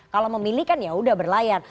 kalau memilih kan ya udah berlayar